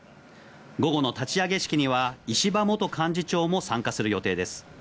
午後の立ち上げ式には石破元幹事長も参加する予定です。